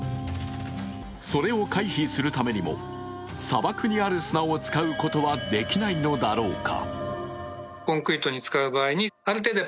それを回避するためにも砂漠にある砂を使うことはできないのだろうか。